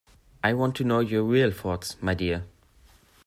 I want to know your real thoughts, my dear.